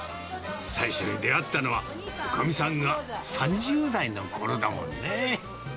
最初に出会ったのは、おかみさんが３０代のころだもんね。